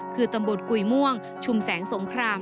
คือตำบลกุยม่วงชุมแสงสงคราม